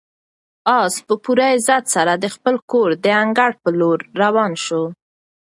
آس په پوره عزت سره د خپل کور د انګړ په لور روان شو.